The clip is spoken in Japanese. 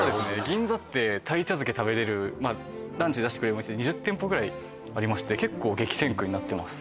銀座って鯛茶漬け食べれるランチで出してくれるお店２０店舗ぐらいありまして結構激戦区になってます